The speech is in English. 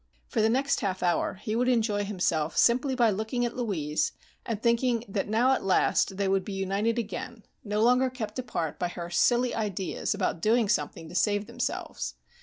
For the next half hour he would enjoy himself simply by looking at Louise, and thinking that now at last they would be united again, no longer kept apart by her silly ideas about doing something to save themselves.